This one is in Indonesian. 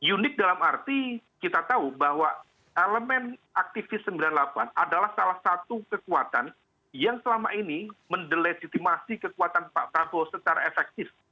unik dalam arti kita tahu bahwa elemen aktivis sembilan puluh delapan adalah salah satu kekuatan yang selama ini mendelegitimasi kekuatan pak prabowo secara efektif